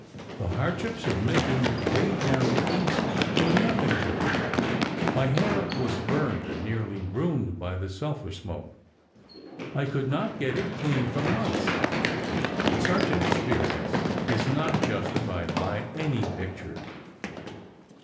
The hardships of making 'Way Down East' were nothing to it. My hair was burned and nearly ruined by the sulphur smoke. I could not get it clean for months. Such an experience is not justified by any picture."